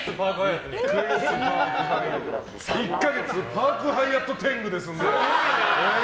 １か月パークハイアット天狗ですって。